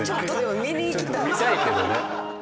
見たいけどね。